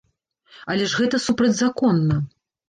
Але ж гэта супрацьзаконна!